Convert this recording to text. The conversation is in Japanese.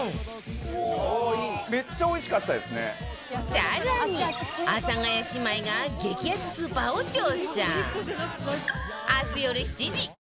さらに阿佐ヶ谷姉妹が激安スーパーを調査